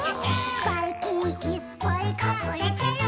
「ばいきんいっぱいかくれてる！」